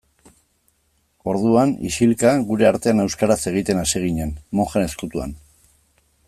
Orduan, isilka, gure artean euskaraz egiten hasi ginen, mojen ezkutuan.